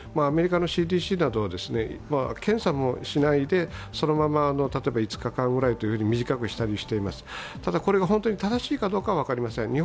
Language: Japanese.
アメリカのＣＤＣなどは検査もしないで、そのまま例えば５日間ぐらいというふうに短くしたりしています、ただこれが本当に正しいかは分かりません。